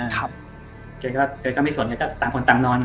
เขาก็ไม่สนเขาก็ต้องคนตามนอน